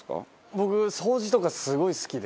僕掃除とかすごい好きで。